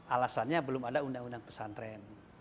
alasannya belum ada undang undang pesantren